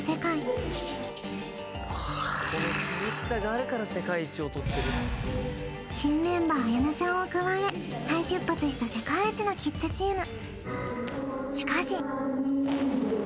この厳しさがあるから世界一をとってる新メンバーあやなちゃんを加え再出発した世界一のキッズチーム